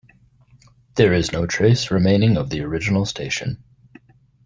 There is no trace remaining of the original station.